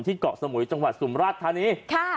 เกาะสมุยจังหวัดสุมราชธานี